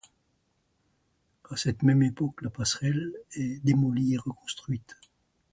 À cette même époque, la passerelle est démolie et reconstruite.